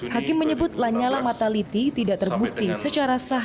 hakim menyebut lanyala mataliti tidak terbukti secara sah